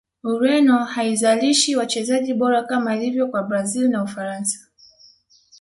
Ureno haizalishi wachezaji bora kama ilivyo kwa brazil na ufaransa